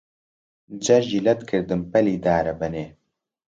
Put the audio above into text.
جەرگی لەت کردم پەلی دارەبەنێ